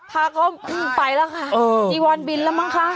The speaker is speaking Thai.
พาเขาไปแล้วค่ะจีวอนบินแล้วมั้งคะ